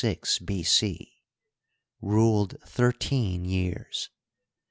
ruled thir teen years.